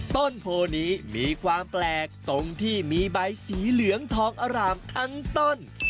ต้นโพนี้มีความแปลกตรงที่มีใบสีเหลืองทองอร่ามทั้งต้น